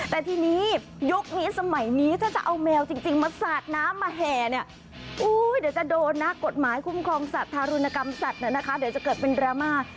แต่ทีนี้ยุคนี้สมัยนี้ถ้าจะเอาแมวจริงมาสาดน้ำมาแห่เนี่ยเดี๋ยวจะโดนนะกฎหมายคุ้มครองสัตว์ธารุณกรรมสัตว์นะคะเดี๋ยวจะเกิดเป็นดราม่า